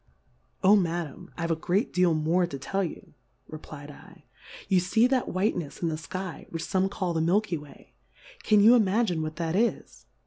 Oh, Ma dam, I've a great deal more to tell ye, reply dl^ you fee that whitenefs in the Sky, which fome call the Milky way ; can you imagine what That is